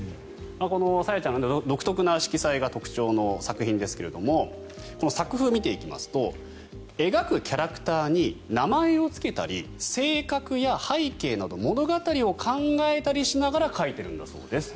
このＳａｙａちゃんの独特な色彩が特徴の作品ですがこの作風を見ていきますと描くキャラクターに名前をつけたり性格や背景など物語を考えたりしながら描いているんだそうです。